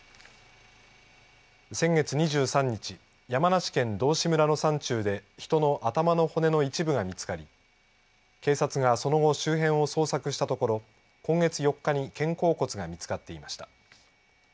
先月２３日山梨県道志村の山中で人の頭の骨の一部が見つかり警察が、その後周辺を捜索したところ今月４日に肩甲骨が見つかっていました。